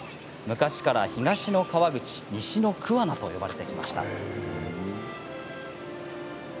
昔から東の川口、西の桑名と呼ばれてきました。